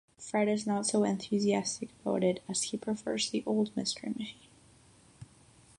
Fred is not so enthusiastic about it as he prefers the old Mystery Machine.